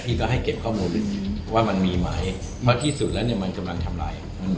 พี่ก็ให้เก็บข้อมูลว่ามันมีไหมเพราะที่สุดแล้วมันกำลังทำลาย